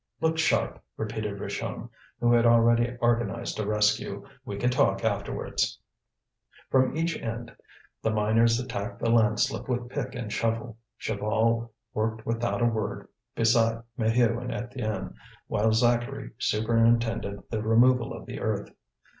"Look sharp!" repeated Richomme, who had already organized a rescue, "we can talk afterwards." From each end the miners attacked the landslip with pick and shovel. Chaval worked without a word beside Maheu and Étienne, while Zacharie superintended the removal of the earth.